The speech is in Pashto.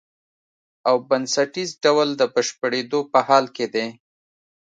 او بنسټیز ډول د بشپړېدو په حال کې دی.